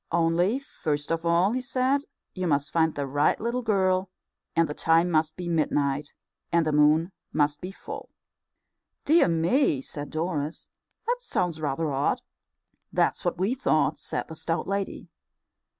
Only, first of all, he said, you must find the right little girl, and the time must be midnight, and the moon must be full." "Dear me!" said Doris, "that sounds rather odd." "That's what we thought," said the stout lady.